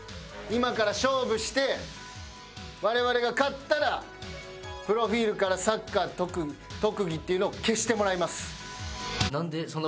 今から勝負して我々が勝ったらプロフィールからサッカー特技っていうのを消してもらいます。